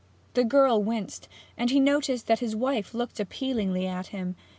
The girl winced, and he noticed that his wife looked appealingly at him.